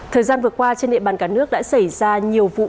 thời gian vừa qua trên địa bàn cả nước đã xảy ra nhiều vụ